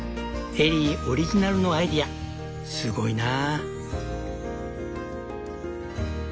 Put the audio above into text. エリーオリジナルのアイデアすごいなぁ。